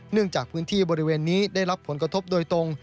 จากพื้นที่บริเวณนี้ได้รับผลกระทบโดยตรง